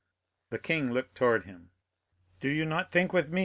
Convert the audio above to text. The king looked towards him. "Do you not think with me, M.